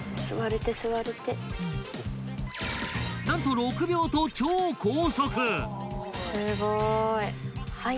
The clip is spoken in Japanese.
［何と６秒と超高速］